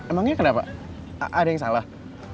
emangnya kenapa ada yang salah